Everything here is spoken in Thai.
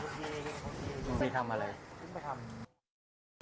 มันทำอะไร